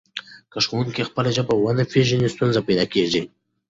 که ښوونکی خپله ژبه ونه پېژني ستونزه پیدا کېږي.